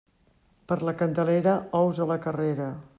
Per la Candelera, ous a la carrera.